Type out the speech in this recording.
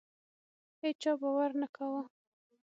هیچا باور نه کاوه.